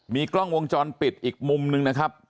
มีกล้องวงจรปิดอีกมุมนึงนะครับ